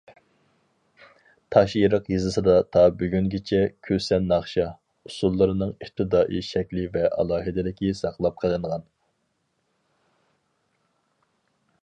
تاشئېرىق يېزىسىدا تا بۈگۈنگىچە كۈسەن ناخشا- ئۇسسۇللىرىنىڭ ئىپتىدائىي شەكلى ۋە ئالاھىدىلىكى ساقلاپ قېلىنغان.